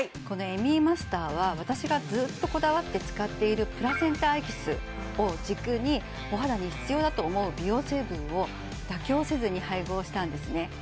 このＭＥマスターは私がずっとこだわって使っているプラセンタエキスを軸にお肌に必要だと思う美容成分を妥協せずに配合したんですね